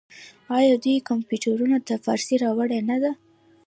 آیا دوی کمپیوټر ته فارسي راوړې نه ده؟